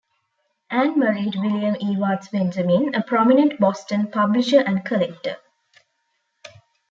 Anne married William Evarts Benjamin, a prominent Boston publisher and collector.